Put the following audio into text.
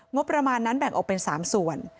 งบประมาณนั้นแบ่งออกเป็น๓ส่วน